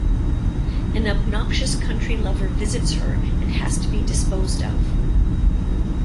An obnoxious country lover visits her and has to be disposed of.